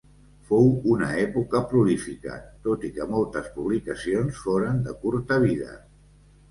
Fou una època prolífica, tot i que moltes publicacions foren de curta vida.